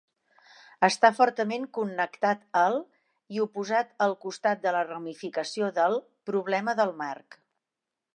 Està fortament connectat al, i oposat al costat de la ramificació del, problema del marc.